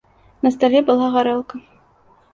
На стале была гарэлка.